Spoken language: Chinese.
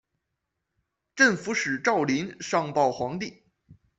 镇抚使赵霖上报皇帝。